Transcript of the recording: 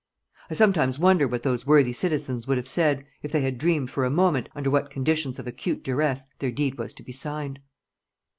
I sometimes wonder what those worthy citizens would have said, if they had dreamt for a moment under what conditions of acute duress their deed was to be signed!